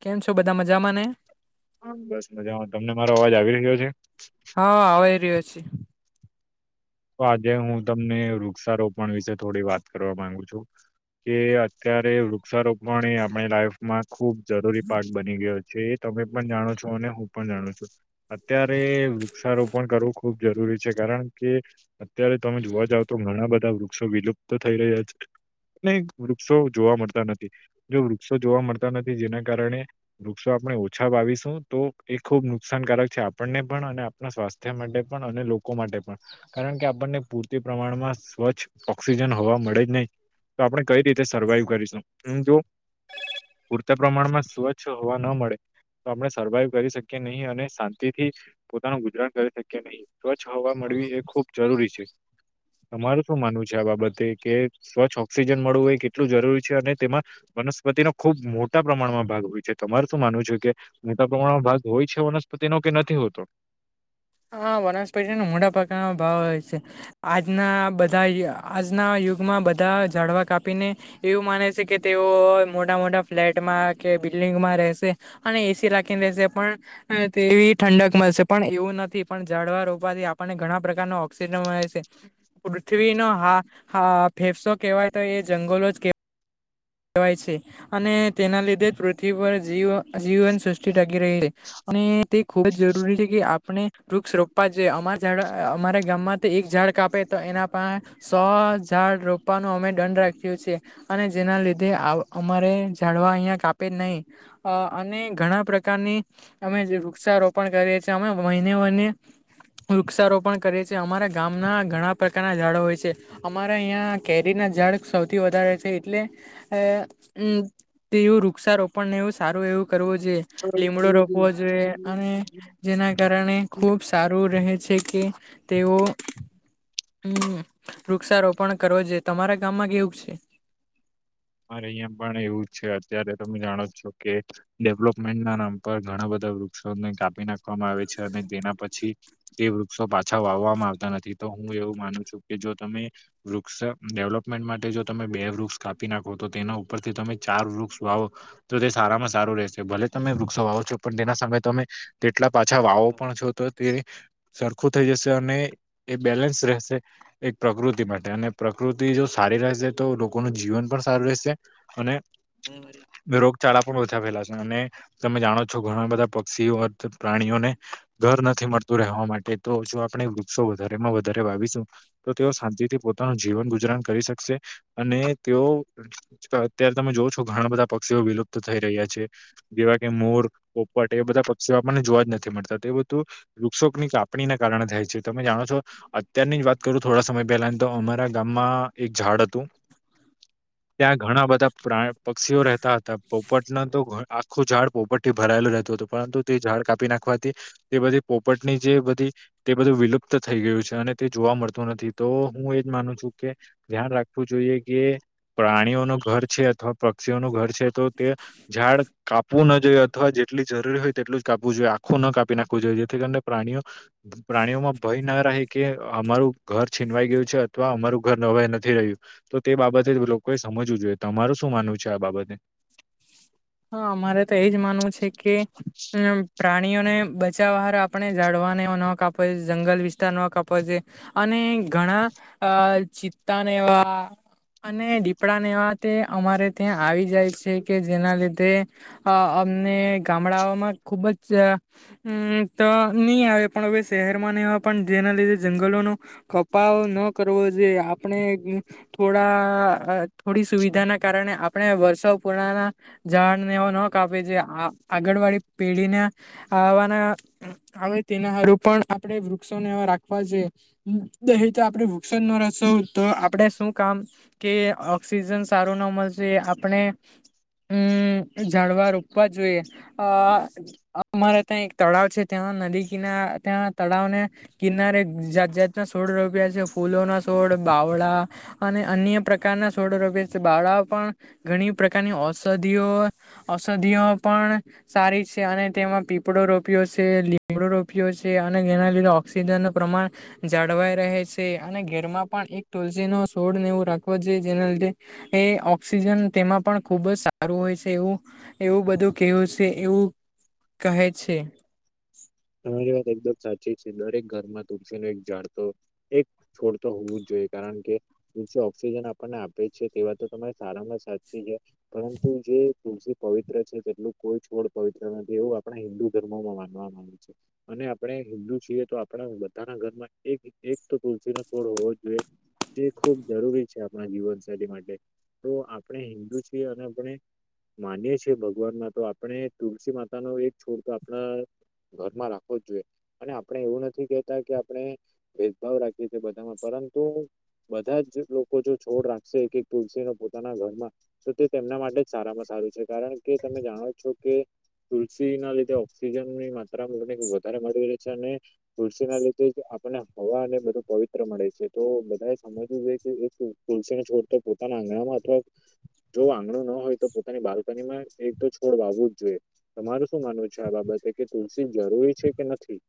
કેમ છો બધા મજામાંને? હ, બસ મજામાં તમને મારો અવાજ આવી રહ્યો છે? હા આવી રહ્યો છે. તો આજે હું તમને વૃક્ષારોપણ વિશે થોડી વાત કરવા માંગુ છું. કે અત્યારે વૃક્ષારોપણ એ આપણી લાઈફમાં ખુબ જરૂરી પાક બની ગયો છે. છે, એ તમે પણ જાણો છો અને હું પણ જાણું છું, અત્યારે વૃક્ષારોપણ કરવું ખુબ જરૂરી છે કારણ કે અત્યારે તમે જોવા જાવ તો ઘણા બધા વૃક્ષો વિલુપ્ત થઈ રહ્યા છે. ક [unintelligible] વૃક્ષો જોવા મળતા નથી જો વૃક્ષો જોવા મળતા નથી જેના કારણે વૃક્ષો આપ ઓછા વાીશું તો એ ખુબ નુકસાનકારક છે, આપણને પણ અને આપણા સ્વાસ્થ્ય માટે પણ અને લોકો માટે પણ. કારણ કે આપણને પૂરતી પ્રમાણમાં સ્વચ્છ ઓક્સિજન હોવા મળે જ નહી તો આપણે કઈ રીતે સર્વાઈવ કરીશું હ જો પૂરતા પ્રમાણમાં સ્વચ્છ હવા ન મળે આપણે સર્વાઈવ કરી શકીએ નહીં અને શાંતિ થી પોતાનું ગુજરાણ કરી શકીએ નહીિ. સ્વચ્છ હોવા મળવી એ ખૂબ છે. [unintelligible] તમાર શું માનવું છે, આ બાબતે કે સ્વચ્છ ઓક્સિજન મળવું એ કેટલું જરૂરી છે, અને તેમાં વનસ્પતિ નો ખુબ મોટા પ્રમાણમાં ભાગ હોય છે, તમાર શું માનું છે કે મોટા પ્રમાણમાં ભાગ હોય છે, વનસ્પતિ તેનો કે નથી હોતો? હા, બનાસપઠાન [unintelligible] મોડાાપકાનો ભાવ હો છે, આજના બધા આજના યુગમાં બધા જાડવા કાપીને એવું માને છે, કે તેઓ મોટા મોટા ફ્લેટમાં કે બિલ્ડિંગમાં રહેશે અને એસી રાખીને રશે પણ તેવી ઠંડક મળશે પણ એવું નથી. પણ જાડવા રોપવાથી આપણને ઘણા પ્રકાર ન ઓક્સિજન મળે છે. પૃથ્વીનો હા હા ફેફસો કેવાય તો એ જંગલો જ કે કહેવાય છે, અને તેના લીધે જ પૃથ્વી પરી જીવન સૃષ્ટિ તે ખબ જ જરૂરી છે, કે આપણે વૃક્ષ રોપવા જોઈએ અમારા [inaudible] ગામ માં એક ઝાડ કાપે તો એના પાહે સો ઝાડ રોપવાનું અમે દંડ રાખ્યું છે. અને જેના લીધે અમારે જાડવા અહીં કાપે જ નહીં અને ઘણા પ્રકારની અમે વૃક્ષારોપણ કરીએ છીએ, અમે મહિને વને વૃક્ષારોપણ કરે છે, અમારા ગામના ઘણા પ્રકારના ઝાડો હોય છે, અમારા અહીંયા કેરીના ઝાડ સૌથી વધારે છે, એટલે હ [unintelligible] તેવું વૃક્ષારોપણને એવું સારું એવું કરવું જોઈએ કરવું લીમડો રોપવો જોઈએ જોઈએ અને જેના કારણે ખૂબ સારું રહે છે, કે તેઓ હમ વૃક્ષારોપણ કરવો જો તમારા ગામમાં કેવું છે મારે અહં પણ એવું છે અત્યારે તમે જાણો છો કે ડેવલોપમેન્ટ ના નામ પર ઘણા બધા વૃક્ષોને કાપી નાખવામાં આવે છે અને તેના પછી તે વૃક્ષો પાછા વાવવામાં આવતા નથી તો હું એવું માનું છું કે જો તમે વૃક્ષ ડેવલપમેન્ટ માટે જો તમે બે વૃક્ષ કાપ ી નાખો તો તેના ઉપરથી તમે ચાર વૃક્ષ વાવો તો તે સારામાં સારું રહેશે ભલે તમે વૃક્ષ વાવો છો પણ તેના સાય તમે તેટલા પાછા વાવો પણ છો તો તે સરખું થઈ જશે અને એ બેલેન્સ રહેશે એક પ્રકૃતિ માટે અને પ્રકૃતિ જો સારી રહેશે તો લોકોનું જીવન પણ સારું રહેશે અને હું મારી ચાળા પણ ઓછા ફેલા છે અને તમે જાણો છો ઘણા બધા પક્ષીઓર્ પ્રાણીઓને ઘર નથી મળતું રહેવા માટે તો જો આપણે વૃક્ષો વધારેમાં વધારે વાવીશું તો તેઓ શાંતિથી પોતાનું જીવન પણ ગુજરાન કરી શકશે અને તેઓ અત્યારે તમે જો છો ઘણા બધા પક્ષીઓ વિલુપ્ત થઈ રહ્યા છે જેવા કે મોર એ બધા પક્ષીઓ આપણને જોવા જ નથી મળતા એ બધું વૃક્ષો ની કાપ ને કારણે થાય છે તમે જાણો છો અત્યારની જ વાત કરો થોડા સમય પેલા તો અમારા ગામમાં એક ઝાડ હતું. ત્યાં ઘણા બધા પ્રાણી પક્ષીઓ રહેતા હતા પોપટના તો આખું ઝાડ પોપટથી ભરાય તું હતું પરંતુ તે ઝાડ કાપી નાખવાથી તે બધી પોપટ ની જે બધી તે બધું વિલુપ્ત થઈ ગયું છે અને તે જોવા મળતું નથી તો હું એજ માનું છું કે ધ્યાન રાખવું જોઈએ કે પ્રાણીઓનું ઘર છે અથવા પક્ષીઓનું ઘર છે તો તે ઝાડ કાપવું ન જોઈએ અથવા જે જેટલી જરૂરી હોય તેટલું જ કાપવું જોઈએ આખું ન કાપી નાખવું જોઈએ જેથી કરીને પ્રાણીઓ પ્રાણીઓમાં ભય ના થાય કે અમારું ઘર છીનવાઈ ગયું છે અથવા અમારું ઘર નવાઈ નથી રહ્યું તો તે બાબતે કોઈ સમજવું જોઈએ તમારું શું માનવું છે આ બાબતે. હા મારે તો એજ માનવું છે કે પ્રા ણીઓને બચાવાર આપણે જાડવાને ન કાપ જંગલ વિસ્તાર ન કાપવો જોઈ અને ઘણા અ ચિત્તાને એવા અને દીપડા ને એવા તે અમારે ત્યાં આવી જાય છે કે જેના લીધે તે અમને ગામડાઓમાં ખુબ જ નહી આવે પણ હવે શહેર ને માં પણ જેના લીધે જંગલો ન કપાવ ન કરવો જોઈએ આપણે થોડા થોડી સુવિધા ના કારણે આપણે વર્ષો પૂર્ના જાડને એવ ન કાપે જે આ આગળવાડી પેઢીને આવવાના તેના હારે પણ આપે વૃક્ષોને રાખવા જોએ તો આપડે વૃક્ષો ના રશો તો આપણે શું કામ કે ઓક્સિજન સારું ના મળશે આપણે હમ જાઝડવા રોપવા જોઈએ અ અમારે ત્યાં એક તળાવ છે ત્યાં નદી કિના ત્યાં તળાવને કિનારે જાત જાતના સોળ રોપિયા છે ફૂલો ના સોળ બાવળા અને અન્ય પ્રકારના સોડો રોપયા બાવળા પણ ઘણી પ્રકારની ઔષધિઓ ઔષધિઓ પણ સારી છે અને તેમાં પીપળો રોપ્યો છે ગડો રોપ્યો છે અને એના લીધે ઓક્સિજન ન પ્રમાણ જાળવાય રહે છે અને ઘેરમાં પણ એક તુલસી નો સોડનેવું રાખવો જોઈએ જેના લીધે એ ઓક્સિજન તેમાં પણ ખુબ જ સારું હોય છે એવું એવું બધું કેવું છે એવું કહે છે. તમારી વાત એકદમ સાચી છે દરેક ઘરમાં તુલસી ન એક ઝડતો એક છોડતો હોવું જ જોઈ કારણ કે વૃક્ષો ઓક્સિજન આપણને આપે છે તેવા તો તમા સારામાં સાચી પરંતુ જે તુલસી પવિત્ર છે તેટલું કોઈ છોડ પવિત્ર નથી એવું આપણા હિન્દુ ધર્મોમાં માનવામાં આવયું છે. અને આપણે હિન્દુ છીએ તો આપણા બધાના ઘરમાં એક એક તો તુલસી નો છોડ હોવો જ જોઈએ. જે ખૂબ જરૂરી છે આપણા જીવનસાથી માટે તો આપણે હિન્દુ છીએ અને આપણે માનીએ છીએ ભગવાનમાં તો આપણે તુલસી માતા ન એક છોડ તો આપણા ઘરમાં રાખવુ જ જોઈએ અને આપણે એવું નથી કેહેતા કે આપણે ભેદભાવ રાખીએ છીએ બધામાં પરંતુ તો બધા જ લોકો જો છોડ રાખશે એક એક તુલસીનો પોતાના ઘરમાં તો તે તેમના માટે સારામાં સારું છે કારણ કે તમે જાણો છો કે તુલસી ના લીધે ઓક્સિજન ની વધારે મળી રહે છે અને તુલસી ના લીધે જ આપણે હવાને બધું પવિત્ર મળે છે તો બધાએ સમજવું જોઈ કે એક તુલસીને છોડતો પોતાના આંગણામાં અથવા જો તુલસી જરૂરી છે કે નથી?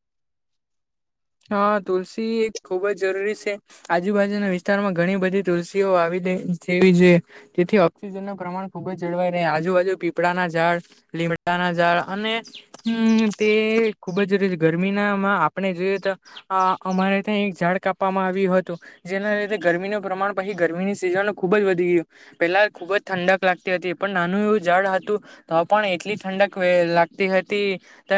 હા તુલસી ખુબ જ જરૂરી છે. આજુબાજુના વિસ્તારમાં ઘણી બધી તુલસીઓ વાવી છે તેથી ઓક્સિજન નું પ્રમાણ ખુબ જ જળવાય રહે આજુબાજુ પીપળાના ઝાડ લીમડા ના ઝાળ અને તે ખુબ જ ર ગરમીનામાં આપણે જોઈએ તો આ અમારે ત્યાં એક ઝાડ કાપવામાં આવ્યું હતું જેના લીધે ગરમીનું પ્રમાણ પછી ગરમીની સીઝન ખુબ જ વધી ગયું પેલા ખુબ જ ઠંડક લાગતી હતી પણ નાનું એવું ઝાળ હતું તો પણ એટલી ઠંડક લાગતી હતી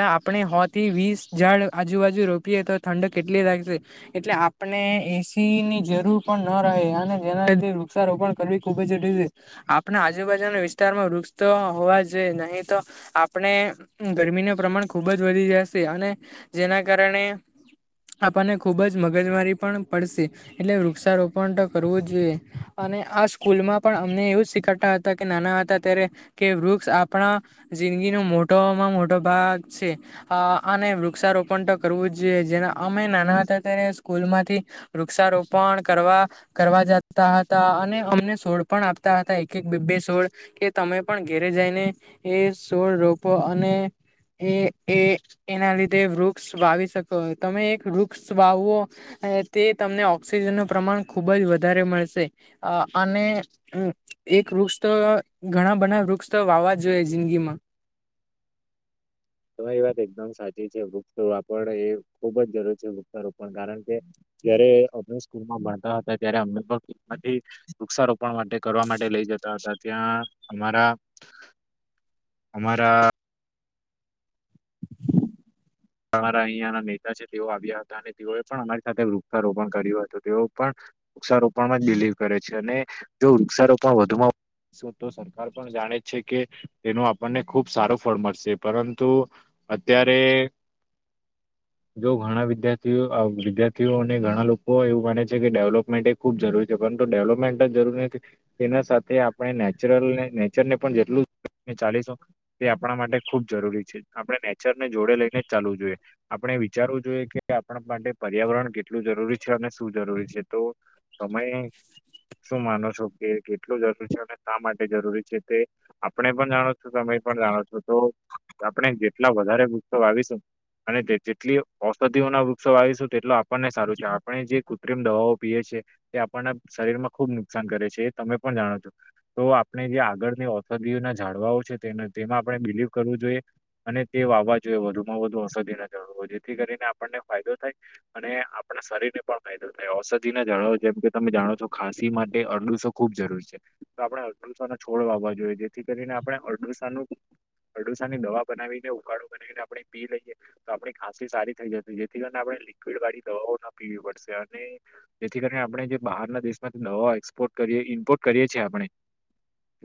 આપણે હો થી વીસ ઝાડ આજુબાજુ રોપએ તો ઠંડક એટલી રાાગશે એટલે આપણે એસી ની જરૂર પણ ન રહે અને જેના લીધે વૃક્ષારોપણ કરવી ખુબ જ જરૂ છે આપના આજુબાજુના વિસ્તારમાં વૃક્ષ હોવા જોઈએ નહીં તો આપણે ગરમીનું પ્રમાણ ખુબ જ વધી જશે અને જેના કારણે આપણને ખુબ જ મગજમારી પણ પડશે એટલે વૃક્ષારોપણ તો કરવું જ જોઈએ અને આ સ્કૂલમાં પણ અમને એવું જ શીખાતા હતા કે નાના હતા ત્યારે કે વૃક્ષ આપણા જિંદગીનો મોટોમાં મોટો ભાગ છે અને વૃક્ષારોપણ તો કરવું જ જોઈએ જેના અમે નાના હતા ત્યારે સ્કૂલ માંથી વૃક્ષારોપણ કરવા કરવા જતા હતા અને અમને છોડ પણ આપતા હતા એક એક બે સોળ કે તમે પણ ઘેરે જાયને એ સોળ રોપો અને એ એ એના લીધે વૃક્ષ વાવી શકો હતો તમે એક વૃક્ષ વાવવો તે તમને ઓક્સિજન ન પ્રમાણ ખુબ જ વધારે મળશે અને એક વૃક્ષ તો ઘણા બધા વૃક્ષ વાવા જોઈએ જિંદગી માં [inaudible] તમારી વાત એકદમ સાચી છે વૃક્ષારપણ એ ખુબ જ જરૂર છે વૃક્ષારો પણ કારણ કે જારે અ સ્કૂલમાં ભણતા હતા ત્યારે અમથી વૃક્ષારોપણ માટે કરવા માટે લઈ જતા હતા ત્યાં અમારા અમારા [inaudible] અમારા અહિયાંના નેતા છે તેઓ આવ્યા હતા અને તેઓએ પણ અમારી સાથે વૃક્ષારોપણ કર્યું હતું તેઓ પણ વૃક્ષારોપણમાં જ બિલીવ કરે છે અને જો વૃક્ષારોપણ વધુમાં તો સરકાર પણ જાણે જ છે કે તેનું આપણને ખુબ સારું ફળ મળશે પરંતુ અત્યારે જો ઘણા વિદ્યાર્થીઓ વિદ્યાર્થીઓ અને ઘણા લોકો એવું માને છે કે ડેવલપમેન્ટ એ ખુબ જરૂરી પરંતુ ડેવલપમેન્ટ જ જરૂરી નથી તેના સાથે આપણે નેચરલ નેચરને પણ જેટલું ચાલીશું તે આપણા માટે ખુબ જરૂરી છે આપણે નેચર ને જોડે લઈને ચાલવું જોઈએ આપણે વિચારવું જોઈએ કે આપણા માટે પર્યાવરણ કેટલું જરૂરી છે અને શું જરૂરી છે તો સમય શું માનો છો કે કેટલું જરૂરી છે અને શા માટે જરૂરી છે તે આપણે પણ જાણો છું તમે પણ જાણો છો તો આપણે જેટલા વધારે ગુસ્સો વાવીશું અને જેટલી ઔષધિઓના વૃક્ષો આવીશું તેટલ આપણને સારું છે આપણે જે કૃત્રિમ દવાઓ આપ શરીર માં ખુબ નુકસાન કરે છે એ તમે પણ જાણો છો તો આપણે જે આગળની થ ના જાડવા છે તેમાં આપણે બિલીવ કરવું જોઈએ અને તે વાવવા જોઈએ વધુ માં વધુ ઔષધિ ના જ હોય જેથી કરીને આપણને ફાયદો થાય અને આપણા શરીર ને પણ ફાયદો થાય સધ જળો જેમ કે તમે જાણો છો ખાંસી માટે અડુસો ખુબ જરૂરી છે તો આપણે અરડુસોો છોડ જોએ જેથી કરીને આપણે અરડુસા અરડુસાની દવા બનાવીને ઉકાળો બનાવીને આપણે પી લઈએ તો આપણી ખાંસી સારી થઈ જતી જેથી કરીને આપણે લિક્વિડ વાળી દવાઓ ના પીવી પડશે અને જેથી કરીને આપણે જે બહારના દેશમાંથી દવા એક્સપોર્ટ કરીએ ઇમ્પોર્ટ કરીએ છીએ આપણે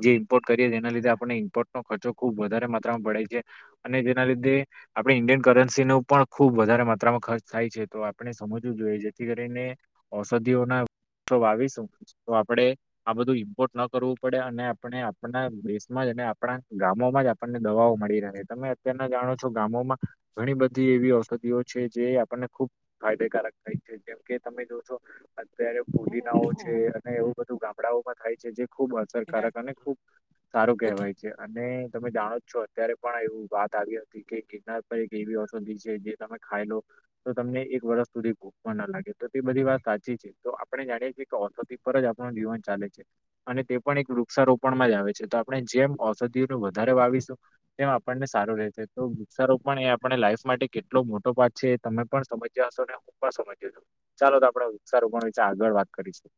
જે ઇમ્પોર્ટ કરીએ જેના લીધે આપને ઇમ્પોર્ટ નો ખર્ચો ખુબ વધારે માત્રામાં પડાય છે અને જેના લીધે આપણે ઈન્ડિયન કરન્સી ન પણ ખુબ વધારે માત્રામાં ખર્ચ થાય છે તો આપણે સમજવું જોઈએ જેથી કરીને ઔષધિઓના સો બાવીસ તો આપડે આ બધું ઇમ્પોર્ટ ના કરવું પડે અને આપણે આપણા દસમાં આપણા ગામોમાં જ આપણને દવાઓ મળી રહે તમે અત્યના જાણો ગામોમાં ઘણી બધી એવી ઔષધિઓ છે જે આપણને ખુબ ફાયદેકારક થાય છે જેમકે તમે જોશો અત્યારે પુદીનાઓ છે અને એવું બધું ગામડાઓમાં થાય છે જે ખુબ અસરકારક અને ખુબ સારું કહેવાય છે અને તમે જાણો જ છો અત્યારે પણ એવું વાત આવ્યું કે ગિરનાર પર એક એવી ઔષધિ છે જે તમે ખાઈ લો તો તમને એક વર્ષ સુધી ભૂખવા ના લાગે તો તે બધી વાત સાચી છે તો આપણે જાણીએ છીએ કે ઓથો પર જ આપણું જીવન ચાલે છે અને તે પણ એક વૃક્ષારોપણમાં જ આવે છે તો આપણે જેમ ઔષધિ વધારે વાવીશું તેમ આપણને સારું રહે તો વિિકચારો પણ એ આપણે લાઈફ માટે કેટલો મોટો પાઠ છે એ તમે પણ સમજ્યા હશો ને હું પણ સમજ્યો છું ચાલો તો આપડે સારું પણ વિચ આગળ વાત કરીશું